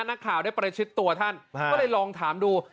นักข่าวได้ประชิดตัวท่านก็เลยลองถามดู